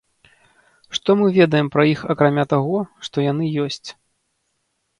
Што мы ведаем пра іх акрамя таго, што яны ёсць?